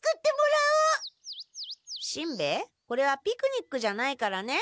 しんべヱこれはピクニックじゃないからね。